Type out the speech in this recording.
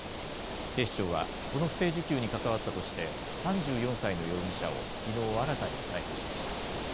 警視庁は、この不正受給に関わったとして、３４歳の容疑者をきのう新たに逮捕しました。